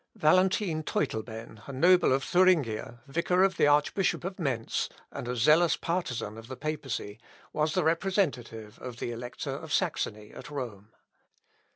Valentine Teutleben, a noble of Thuringia, vicar of the Archbishop of Mentz, and a zealous partisan of the papacy, was the representative of the Elector of Saxony at Rome.